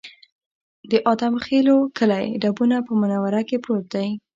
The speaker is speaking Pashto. د ادم خېلو کلی ډبونه په منوره کې پروت دی